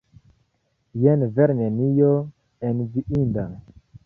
Jen vere nenio enviinda!